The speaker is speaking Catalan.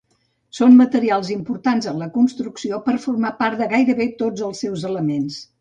Són materials importants en la construcció per formar part de gairebé tots els seus elements.